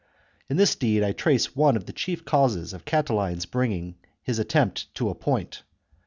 In this deed I trace one of the chief causes of Catiline's bringing his attempt to a point.